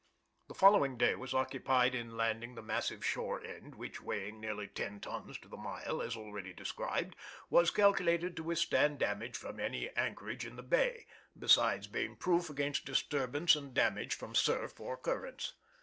_ The following day was occupied in landing the massive shore end, which weighing nearly ten tons to the mile, as already described was calculated to withstand damage from any anchorage in the bay, besides being proof against disturbance and damage from surf or currents.